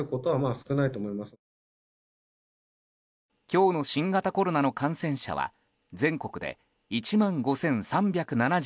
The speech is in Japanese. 今日の新型コロナの感染者は全国で１万５３７２人。